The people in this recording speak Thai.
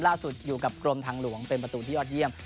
ล่าสุดอยู่กับกรมทางหลวงเป็นประตูที่ยอดเยี่ยม